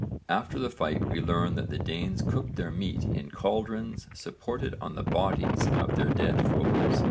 After the fight we learn that the Danes cooked their meat in cauldrons supported on the bodies of their dead foes.